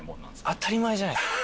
当たり前じゃないですか。